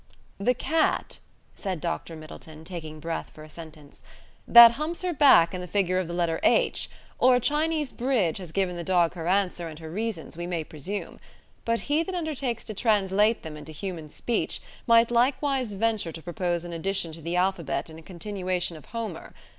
"The cat," said Dr. Middleton, taking breath for a sentence, "that humps her back in the figure of the letter H, or a Chinese bridge has given the dog her answer and her reasons, we may presume: but he that undertakes to translate them into human speech might likewise venture to propose an addition to the alphabet and a continuation of Homer.